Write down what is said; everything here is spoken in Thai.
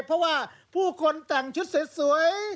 เพราะว่าผู้คนแต่งชุดสวย